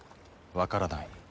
わからない。